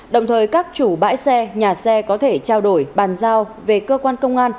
đồng thời các chủ bãi xe nhà xe có thể trao đổi bàn giao về cơ quan công an